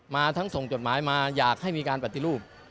มาทั้งส่งจดหมายมาอยากให้มีการปฏิรูป